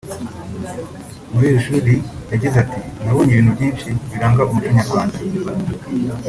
muri iri shuri yagize ati ” Nabonye ibintu byinshi biranga umuco nyarwanda